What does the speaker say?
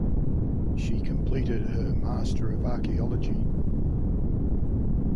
She completed her M. Arch.